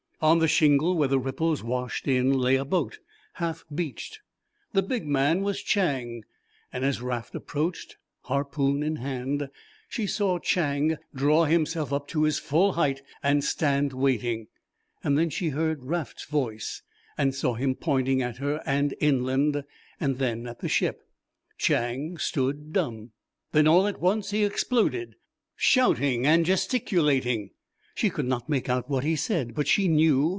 On the shingle where the ripples washed in lay a boat, half beached. The big man was Chang, and as Raft approached harpoon in hand, she saw Chang draw himself up to his full height and stand waiting. Then she heard Raft's voice and saw him pointing at her and inland and then at the ship. Chang stood dumb. Then all at once he exploded, shouting and gesticulating. She could not make out what he said, but she knew.